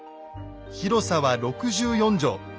広さは６４畳。